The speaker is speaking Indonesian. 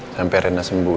sampai rene sembuh ya